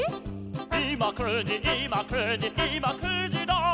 「いま９じいま９じいま９じら」